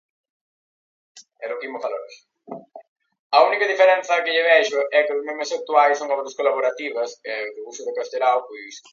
Las hojas en forma de óvalo tiene el borde serrado.